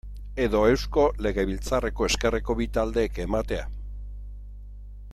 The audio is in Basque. Edo Eusko Legebiltzarreko ezkerreko bi taldeek ematea.